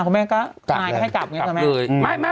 คุณแม่ก็ทานายก็ให้กลับเนี่ยนะแม่